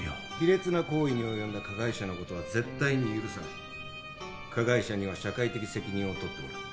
「卑劣な行為に及んだ加害者のことは絶対に許さない」「加害者には社会的責任を取ってもらう」